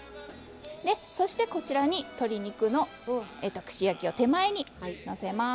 そしてこちらに鶏肉の串焼きを手前にのせます。